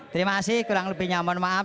terima kasih kurang lebihnya mohon maaf